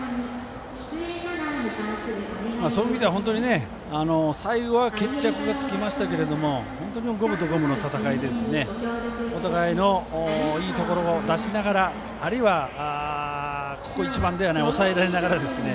そういう意味では最後は決着がつきましたけど本当に五分と五分の戦いでお互いのいいところを出しながらあるいは、ここ一番では抑えられながら。